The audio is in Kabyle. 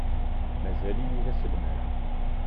Mazal-iyi d aselmad.